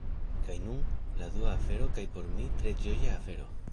Kaj nun, la dua afero kaj por mi tre ĝoja afero!